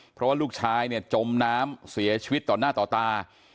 เพราะว่าลูกชายเนี่ยจมน้ำเสียชีวิตต่อหน้าต่อตา